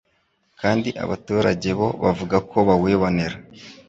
kandi abaturage bo bavuga ko bawibonera